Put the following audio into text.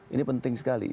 ini penting sekali